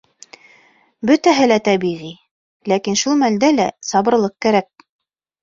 Бөтәһе лә тәбиғи, ләкин шул мәлдә лә сабырлыҡ кәрәк.